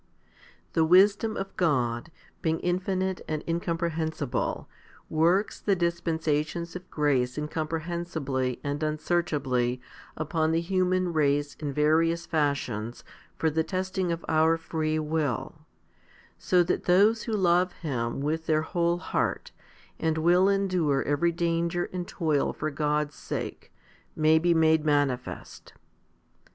i. THE wisdom of God, being infinite and incompre hensible, works thexlispensations of grace incomprehensibly and unsearchably upon the human race in various fashions for the testing of our free will, so that those who love Him with their whole heart, and will endure every danger and toil for God's sake, may be made manifest.